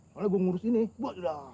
soalnya gua ngurusin ini